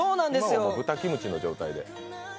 今は豚キムチの状態で。